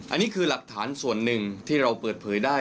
อันนี้คือหลักฐานส่วนหนึ่งที่เราเปิดเผยได้